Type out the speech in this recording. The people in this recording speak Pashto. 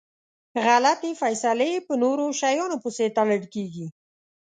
غلطي فیصلی په نورو شیانو پسي تړل کیږي.